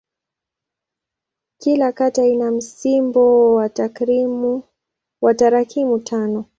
Kila kata ina msimbo wa tarakimu tano.